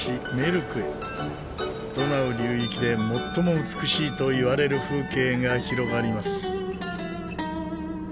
ドナウ流域で最も美しいといわれる風景が広がります。